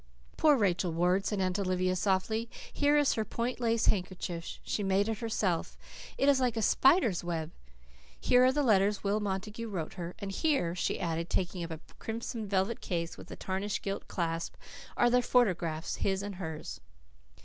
"Poor Rachel Ward," said Aunt Olivia softly. "Here is her point lace handkerchief. She made it herself. It is like a spider's web. Here are the letters Will Montague wrote her. And here," she added, taking up a crimson velvet case with a tarnished gilt clasp, "are their photographs his and hers."